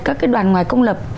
các đoàn ngoài công lập